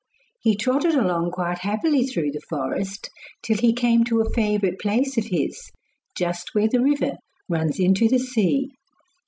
He trotted along quite happily through the forest till he came to a favourite place of his, just where the river runs into the sea.